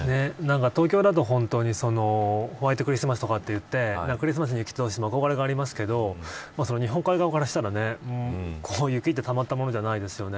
東京だと本当にホワイトクリスマスとかっていってクリスマスに雪が降ってほしいという憧れがありますけど日本海側からしたら雪って、たまったものじゃないですね。